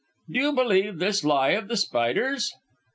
"Do you believe this lie of The Spider's?"